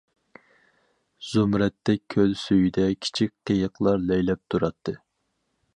زۇمرەتتەك كۆل سۈيىدە كىچىك قېيىقلار لەيلەپ تۇراتتى.